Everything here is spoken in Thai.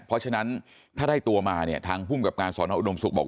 เพราะฉะนั้นถ้าได้ตัวมาเนี่ยทางภูมิกับการสอนออุดมศุกร์บอก